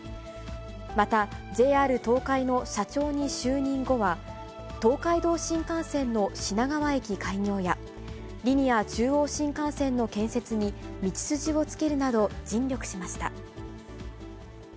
また、ＪＲ東海の社長に就任後は、東海道新幹線の品川駅開業や、リニア中央新幹線の建設に道筋をつけるなど、尽力しました。